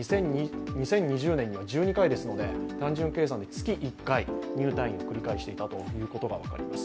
２０２０年には１２回ですので、単純計算で月１回、入退院を繰り返していたということが分かります。